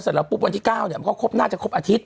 เสร็จแล้วปุ๊บวันที่๙เนี่ยมันก็ครบน่าจะครบอาทิตย